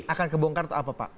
akan kebongkar atau apa pak